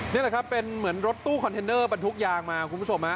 นี่แหละครับเป็นเหมือนรถตู้คอนเทนเนอร์บรรทุกยางมาคุณผู้ชมฮะ